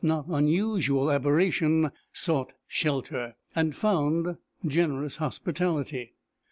not unusual aberration, sought shelter, and found generous hospitality.